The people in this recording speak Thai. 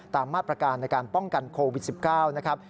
ตามมาตรการในการป้องกันโควิด๑๙นะครับ